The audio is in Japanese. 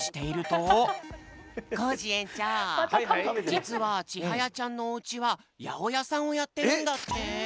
じつはちはやちゃんのおうちはやおやさんをやってるんだって。